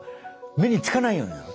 目につかないようになる。